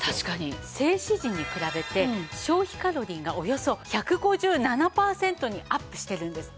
静止時に比べて消費カロリーがおよそ１５７パーセントにアップしてるんです。